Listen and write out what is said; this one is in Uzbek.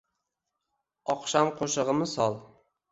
Oqshom qo’shig’i misol;